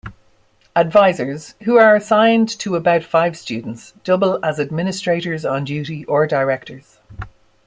Advisors, who are assigned to about five students, double as administrators-on-duty or directors.